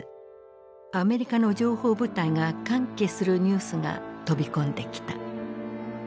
アメリカの情報部隊が歓喜するニュースが飛び込んできた。